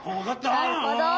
なるほど。